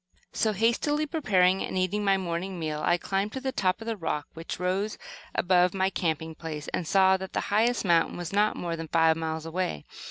So, hastily preparing and eating my morning meal, I climbed to the top of the rock which rose above my camping place, and saw that the highest mountain was not more than five miles away.